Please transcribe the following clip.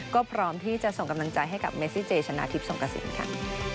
ก็พร้อมที่จะส่งกำลังใจให้กับเมซิเจชนะทิพย์สงกระสินค่ะ